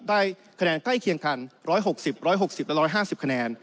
ได้คะแนนใกล้เคียงกัน๑๖๐๑๖๐และ๑๕๐คะแนน